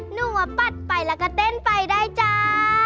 หนูว่าปัดไปแล้วก็เต้นไปได้จ้า